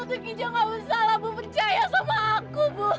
tukijo tidak berusaha percaya pada aku bu